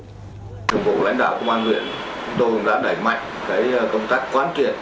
chủng vụ lãnh đạo công an huyện tôi đã đẩy mạnh công tác quán kiện